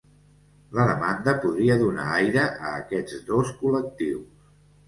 La demanda podria donar aire a aquests dos col·lectius